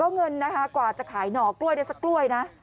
เงินนะคะกว่าจะขายหน่อกล้วยได้สักกล้วยนะ